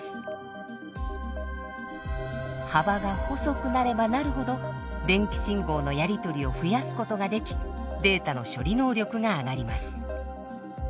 幅が細くなればなるほど電気信号のやり取りを増やすことができデータの処理能力が上がります。